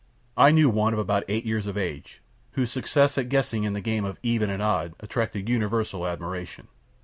I knew one about eight years of age, whose success at guessing in the game of 'even and odd' attracted universal admiration.